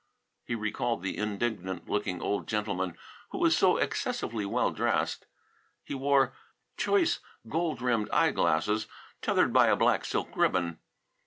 He recalled the indignant looking old gentleman who was so excessively well dressed. He wore choice gold rimmed eyeglasses tethered by a black silk ribbon.